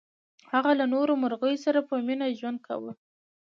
هغه له نورو مرغیو سره په مینه ژوند کاوه.